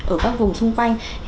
ở các vùng xung quanh